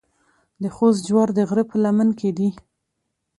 د خوست جوار د غره په لمن کې دي.